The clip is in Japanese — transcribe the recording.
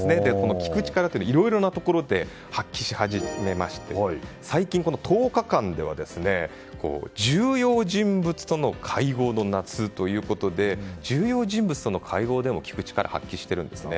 聞く力というのはいろいろなところで発揮し始めまして最近１０日間では、重要人物との会合の夏ということで重要人物との会合でも聞く力を発揮しているんですね。